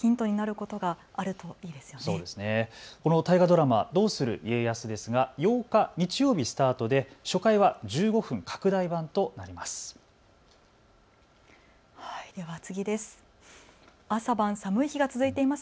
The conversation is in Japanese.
この大河ドラマ、どうする家康ですが８日、日曜日スタートで初回は１５分拡大版となります。